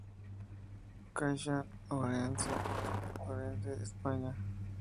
Caixa Ourense, Orense, España.